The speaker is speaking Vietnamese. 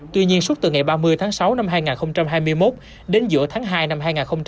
tuy nhiên suốt từ ngày ba mươi tháng sáu năm hai nghìn hai mươi một đến giữa tháng hai năm hai nghìn hai mươi bốn